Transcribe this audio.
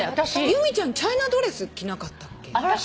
由美ちゃんチャイナドレス着なかったっけ？